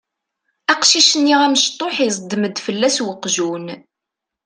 Aqcic-nni amecṭuḥ iẓeddem-d fell-as uqjun.